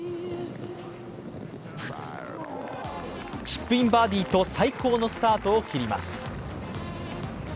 チップインバーディーと最高のスタートを切ります。